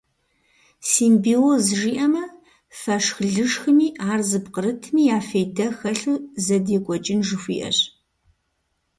Симбиоз жиӏэмэ, фэшх-лышхми ар зыпкърытми я фейдэ хэлъу зэдекӏуэкӏын жыхуиӏэщ.